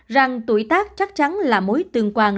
rằng tuổi tác chắc chắn là mối tương quan